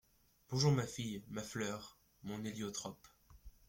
Bonjour ma fille… ma fleur, mon héliotrope !